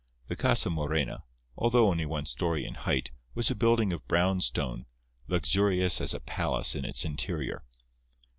The Casa Morena, although only one story in height, was a building of brown stone, luxurious as a palace in its interior.